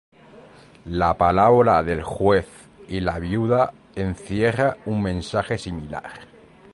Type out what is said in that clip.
La parábola del juez y la viuda encierra un mensaje similar.